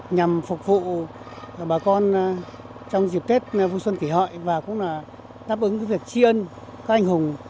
nhằm phục vụ bà con trong dịp tết vui xuân kỷ hội và cũng là táp ứng việc tri ân các anh hùng